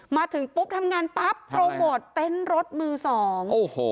มาถึงที่นี่ทำงานปลั๊บโปรโมทร์เต้นรถมือสอง